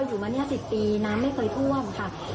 พอดูคุณฐมขนาดนี้คุณคงแก้ไม่ได้